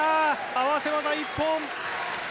合わせ技一本。